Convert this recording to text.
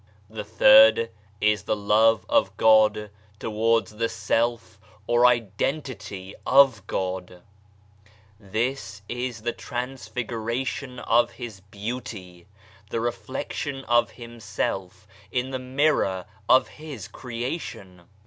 The third is the love of God towards the Self or Identity of God. This is the transfiguration of His Beauty, the reflection of Himself in the mirror of His Creation.